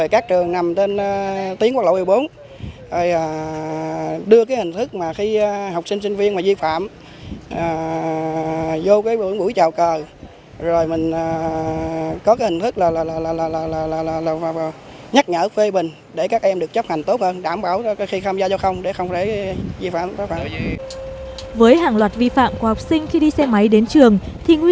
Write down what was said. các trường nằm trên đường bộ các trường nằm trên đường bộ các trường nằm trên đường bộ các trường nằm trên đường bộ